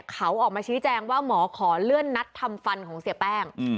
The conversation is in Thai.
เขาออกมาชี้แจงว่าหมอขอเลื่อนนัดทำฟันของเสียแป้ง